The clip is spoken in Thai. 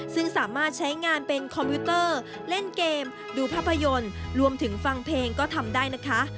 ซึ่งสามารถใช้งานเป็นคอมพิวเตอร์เล่นเกมดูภาพยนตร์รวมถึงฟังเพลงก็ทำได้นะคะ